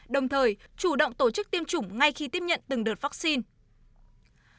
đồng thời chủ động tổ chức tiêm chủng ngay khi tiếp nhận từng đợt vaccine